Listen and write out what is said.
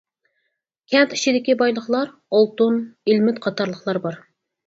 كەنت ئىچىدىكى بايلىقلار ئالتۇن، ئىلمېنىت قاتارلىقلار بار.